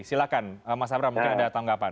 silahkan mas abra mungkin ada tanggapan